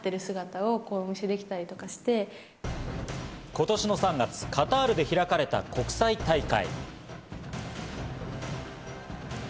今年の３月、カタールで開かれた国際大会。